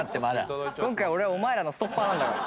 今回俺はお前らのストッパーなんだから。